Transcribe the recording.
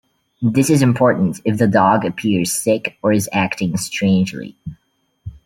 This is important if the dog appears sick or is acting strangely.